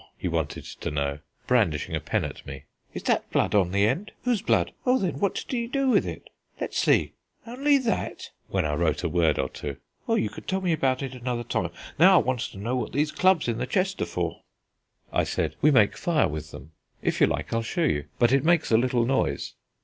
he wanted to know, brandishing a pen at me. "Is that blood on the end? whose blood? Well then, what do you do with it? Let's see only that?" (when I wrote a word or two). "Well, you can tell me about it another time. Now I want to know what these clubs in the chest are." I said, "We make fire with them; if you like I'll show you but it makes a little noise."